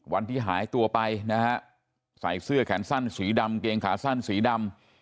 วันที่หายตัวไปนะฮะใส่เสื้อแขนสั้นสีดำเกงขาสั้นสีดำ